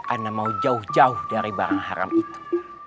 anda mau jauh jauh dari barang haram itu